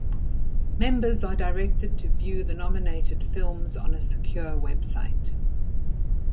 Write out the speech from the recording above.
Members are directed to view the nominated films on a secure website.